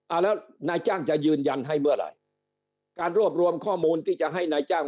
แล้วนายจ้างจะยืนยันให้เมื่อไหร่การรวบรวมข้อมูลที่จะให้นายจ้าง